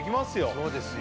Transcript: そうですよ